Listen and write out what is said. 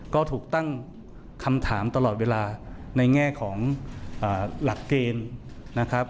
ก็ถูกตั้งคำถามตลอดเวลาในแง่ของหลักเกณฑ์นะครับ